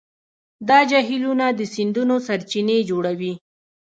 دا جهیلونه د سیندونو سرچینې جوړوي.